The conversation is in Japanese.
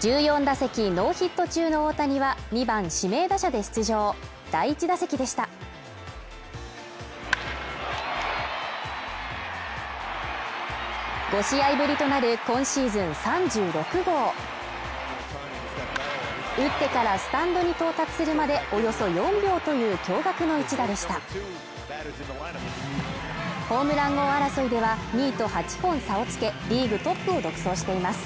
１４打席ノーヒット中の大谷は２番指名打者で出場第１打席でした５試合ぶりとなる今シーズン３６号打ってからスタンドに到達するまでおよそ４秒という驚愕の一打でしたホームラン王争いでは２位と８本差をつけリーグトップを独走しています